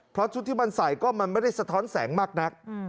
เพราะชุดที่มันใส่ก็มันไม่ได้สะท้อนแสงมากนัก